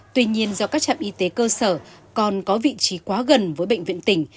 tuy nhiên do các trạm y tế cơ sở còn có vị trí quá gần với bệnh viện tỉnh